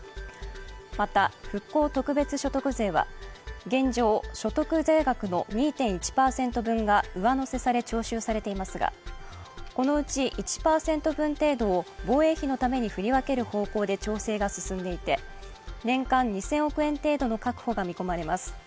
また復興特別所得税は現状、所得税額の２．１％分が上乗せされ徴収されていますがこのうち１％分程度を防衛費のために振り分ける方向で調整が進んでいて年間２０００億円程度の確保が見込まれます。